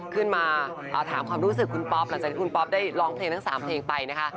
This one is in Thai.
ขึ้นมาถามความรู้สึกคุณป๊อปหลังจากที่คุณป๊อปได้ร้องเพลงทั้ง๓เพลงไปนะคะ